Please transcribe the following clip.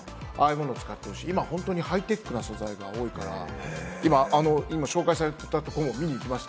サンシェードのああいうものも使ってるし、今ハイテクな素材が多いから、今、紹介されていたところも見に行きました。